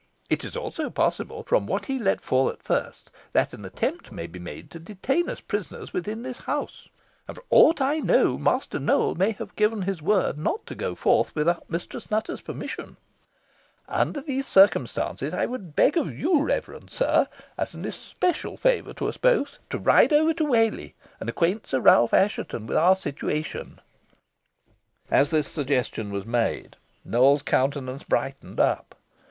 It is also possible, from what he let fall at first, that an attempt may be made to detain us prisoners within this house, and, for aught I know, Master Nowell may have given his word not to go forth without Mistress Nutter's permission. Under these circumstances, I would beg of you, reverend sir, as an especial favour to us both, to ride over to Whalley, and acquaint Sir Ralph Assheton with our situation." As this suggestion was made, Nowell's countenance brightened up.